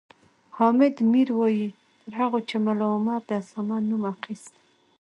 حامد میر وایي تر هغو چې ملا عمر د اسامه نوم اخیست